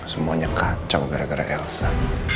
semuanya kacau gara gara elsa